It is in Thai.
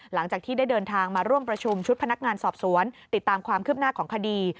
หลังจากที่ได้เดินทางมาร่วมประชุมชุดพนักงานสอบสวนติดตามความคืบหน้าของคดี